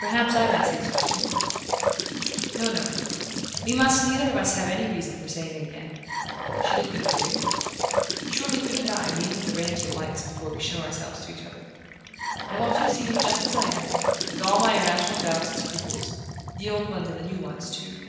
"Perhaps I might say so too." "No, no: we must neither of us have any reason for saying it again." She looked at him gravely. "Surely you and I needn't arrange the lights before we show ourselves to each other. I want you to see me just as I am, with all my irrational doubts and scruples; the old ones and the new ones too."